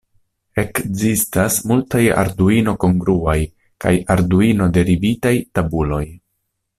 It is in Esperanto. Ekzistas multaj Arduino-kongruaj kaj Arduino-derivitaj tabuloj.